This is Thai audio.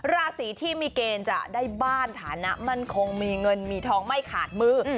ราศีที่มีเกณฑ์จะได้บ้านฐานะมั่นคงมีเงินมีทองไม่ขาดมือ